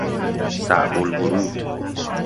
صعب الورود